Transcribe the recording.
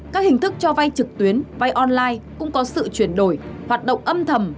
các hình thức cho vay trực tuyến vay online cũng có sự chuyển đổi hoạt động âm thầm